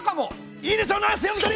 いいでしょう。